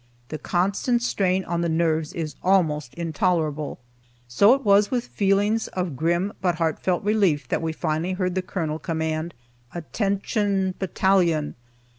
The constant strain on the nerves is almost intolerable. So it was with feelings of grim but heart felt relief that we finally heard the Colonel command, "Attention, battalion!"